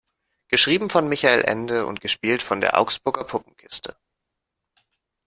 Geschrieben von Michael Ende und gespielt von der Augsburger Puppenkiste.